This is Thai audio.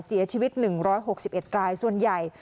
เสียชีวิต๑๖๑รายส่วนใหญ่